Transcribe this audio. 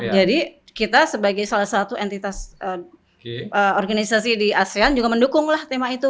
jadi kita sebagai salah satu entitas organisasi di asean juga mendukung lah tema itu